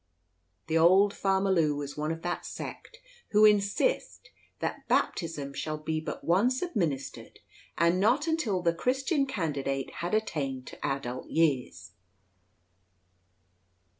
Old Farmer Lew was one of that sect who insist that baptism shall be but once administered, and not until the Christian candidate had attained to adult years.